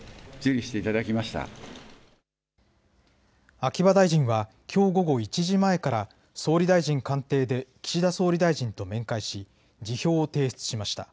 秋葉大臣はきょう午後１時前から総理大臣官邸で岸田総理大臣と面会し辞表を提出しました。